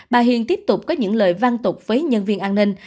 bà hiền tiếp tục có những lời văn tục với nhân viên an ninh